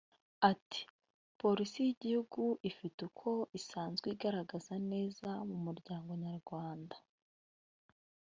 Ati "Polisi y’ igihugu ifite uko isanzwe igaragara neza mu muryango nyarwanda